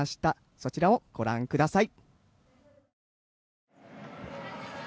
そちらをご覧ください。